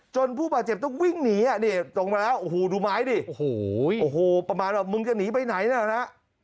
ผู้บาดเจ็บต้องวิ่งหนีอ่ะนี่ตรงมาแล้วโอ้โหดูไม้ดิโอ้โหประมาณว่ามึงจะหนีไปไหนน่ะนะ